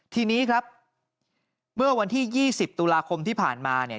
ทีนี้ครับเมื่อวันที่๒๐ตุลาคมที่ผ่านมาเนี่ย